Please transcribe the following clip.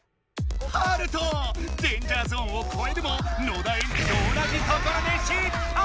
ハルトデンジャーゾーンをこえるも野田エンジと同じところで失敗！